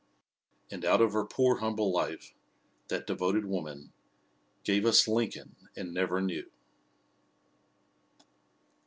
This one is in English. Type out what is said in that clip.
And out of her poor, humble life, that devoted woman "Gave us Lincoln and never knew!"